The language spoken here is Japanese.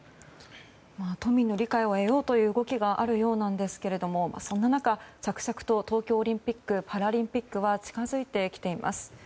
都民の理解を得ようという動きがあるようですがそんな中、着々と東京オリンピック・パラリンピックは近づいてきています。